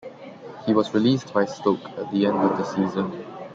He was released by Stoke at the end of the season.